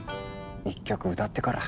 一曲歌ってから。